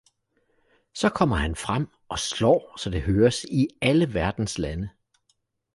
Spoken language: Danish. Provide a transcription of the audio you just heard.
Så kommer han frem og slår så det høres i alle verdens lande